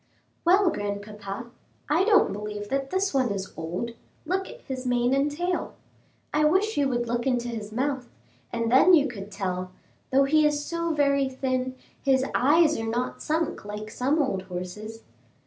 "Well, grandpapa, I don't believe that this one is old; look at his mane and tail. I wish you would look into his mouth, and then you could tell; though he is so very thin, his eyes are not sunk like some old horses."